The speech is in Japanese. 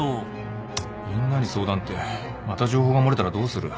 みんなに相談ってまた情報が漏れたらどうする